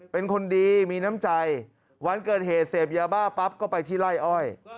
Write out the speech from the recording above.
เป็นคนดีมีน้ำใจวันเกิดเหตุเสพยาบ้าปั๊บก็ไปที่ไล่อ้อย